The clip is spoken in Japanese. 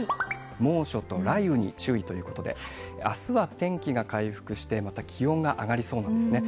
猛暑と雷雨に注意ということで、あすは天気が回復して、また気温が上がりそうなんですね。